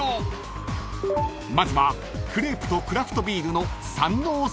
［まずはクレープとクラフトビールの］